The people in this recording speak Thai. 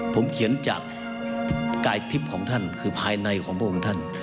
ผมเขียนจากกายทิพย์ของท่านคือภายในของพระองค์ท่าน